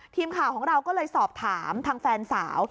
ทีมข่าวของเราก็เลยสอบถามทางแฟนสาว